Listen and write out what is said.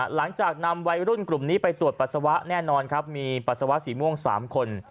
หลังจากนำวัยรุ่นกลุ่มนี้ไปตรวจปัสสาวะแน่นอนครับมีปัสสาวะสีม่วง๓คน